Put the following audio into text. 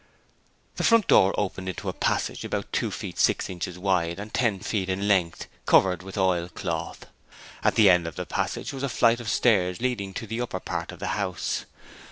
The front door opened into a passage about two feet six inches wide and ten feet in length, covered with oilcloth. At the end of the passage was a flight of stairs leading to the upper part of the house.